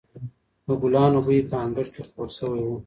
د ګلانو بوی په انګړ کې خپور شوی و.